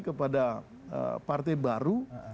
kepada partai baru